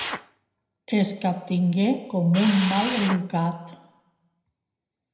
Es captingué com un mal educat.